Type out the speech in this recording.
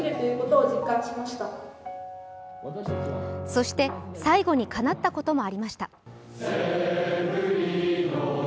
そして、最後にかなったこともありました。